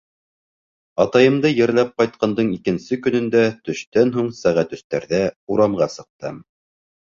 Атайымды ерләп ҡайтҡандың икенсе көнөндә төштән һуң сәғәт өҫтәрҙә урамға сыҡтым.